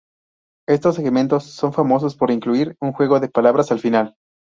Estos segmentos son famosos por incluir un juego de palabras al final.